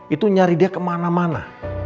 itu nyari dia kemana mana